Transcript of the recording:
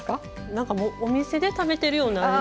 なんかもうお店で食べてるような味。